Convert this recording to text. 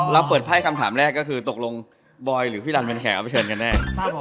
เราเปิดไพ่คำถามแรกก็คือตกลงบอยหรือพี่รันเป็นแขกเอาไปเชิญกันแน่